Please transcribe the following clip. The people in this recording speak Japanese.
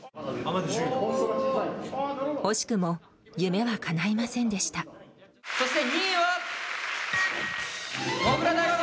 惜しくも夢はかないませんでそして２位は。